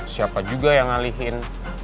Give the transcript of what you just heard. siapa juga yang ngalihin